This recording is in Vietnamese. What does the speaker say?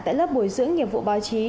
tại lớp bồi dưỡng nghiệp vụ báo chí